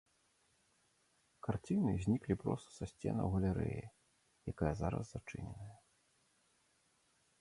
Карціны зніклі проста са сценаў галерэі, якая зараз зачыненая.